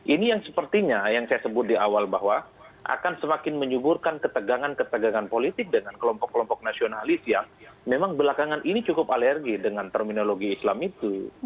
ini yang sepertinya yang saya sebut di awal bahwa akan semakin menyuburkan ketegangan ketegangan politik dengan kelompok kelompok nasionalis yang memang belakangan ini cukup alergi dengan terminologi islam itu